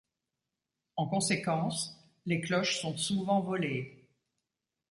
En conséquence, les cloches sont souvent volées.